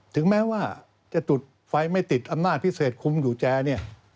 ถึงแม้ว่าจะจุดไฟไม่ติดอำนาจพิเศษคุมอยู่แจเนี่ย